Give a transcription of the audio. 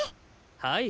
はい。